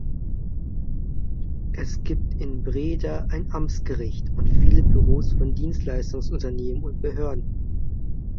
Es gibt in Breda ein Amtsgericht und viele Büros von Dienstleistungsunternehmen und Behörden.